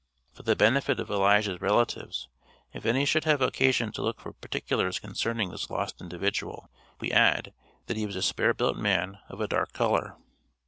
For the benefit of Elijah's relatives, if any should have occasion to look for particulars concerning this lost individual, we add, that he was a spare built man of a dark color.